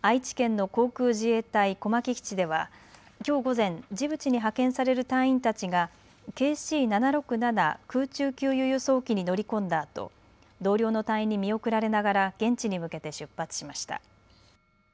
愛知県の航空自衛隊小牧基地ではきょう午前、ジブチに派遣される隊員たちがＫＣ７６７空中給油・輸送機に乗り込んだあと同僚の隊員に見送られながら現地に向けて出発しました。